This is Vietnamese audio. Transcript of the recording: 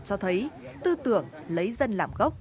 cho thấy tư tưởng lấy dân làm gốc